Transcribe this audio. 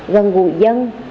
gần gũi dân